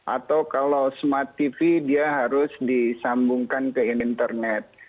atau kalau smart tv dia harus disambungkan ke internet